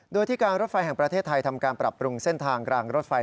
โดยที่การรถไฟแห่งประเทศไทยทำการปรับปรุงเส้นทางรางรถไฟ